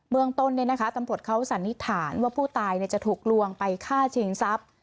เมืองต้นตำรวจเขาสันนิษฐานว่าผู้ตายจะถูกลวงไปฆ่าชิงทรัพย์